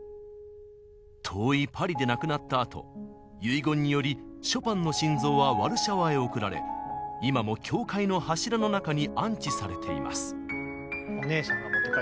遠いパリで亡くなったあと遺言によりショパンの心臓はワルシャワへ送られ今も教会の柱の中に安置されています。